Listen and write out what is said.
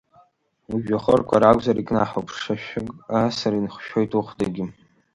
Ужәҩахырқәа ракәзар икнаҳауп, ԥшашәшәык аасыр инхшәоит ухәдагьы!